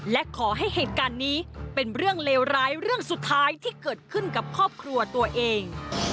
และขอให้เหตุการณ์นี้เป็นเรื่องเลวร้ายเรื่องสุดท้ายที่เกิดขึ้นกับครอบครัวตัวเอง